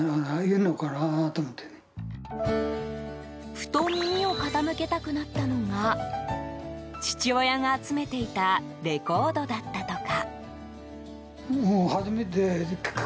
ふと、耳を傾けたくなったのが父親が集めていたレコードだったとか。